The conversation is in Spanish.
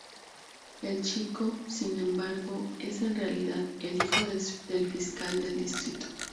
El chico, sin embargo, es en realidad el hijo del Fiscal de Distrito.